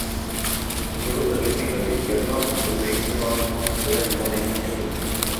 En los Juegos Olímpicos de Invierno el país no ha participado en ninguna edición.